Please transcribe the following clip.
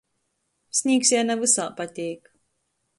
Snīgs jai na vysā pateik.